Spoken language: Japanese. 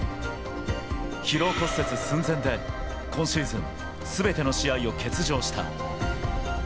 疲労骨折寸前で、今シーズン、すべての試合を欠場した。